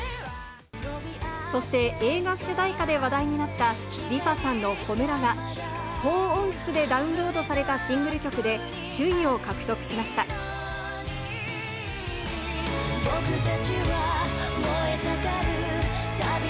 そして映画主題歌で話題になったＬｉＳＡさんの炎が、高音質でダウンロードされたシングル曲で首位を獲得しました。